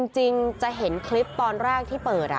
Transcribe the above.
จริงจะเห็นคลิปตอนแรกที่เปิด